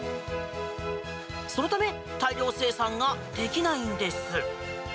そのため大量生産ができないんです。